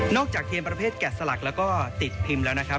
จากทีมประเภทแกะสลักแล้วก็ติดพิมพ์แล้วนะครับ